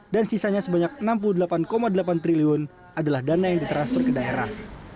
dan sisanya sebanyak enam puluh delapan delapan triliun adalah dana yang diteransfer ke daerah